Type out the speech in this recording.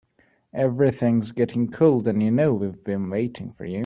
Everything's getting cold and you know we've been waiting for you.